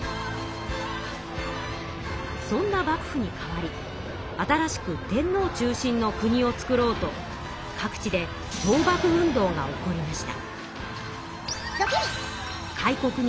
そんな幕府に代わり新しく天皇中心の国を造ろうと各地で倒幕運動が起こりました。